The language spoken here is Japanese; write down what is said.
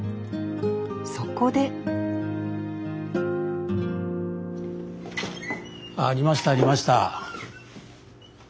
そこでありましたありました。